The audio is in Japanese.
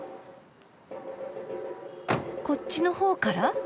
・・こっちのほうから？